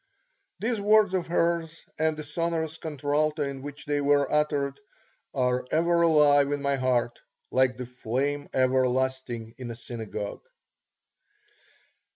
These words of hers and the sonorous contralto in which they were uttered are ever alive in my heart, like the Flame Everlasting in a synagogue.